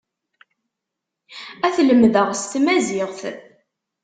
Ad t-lemdeɣ s tmaziɣt.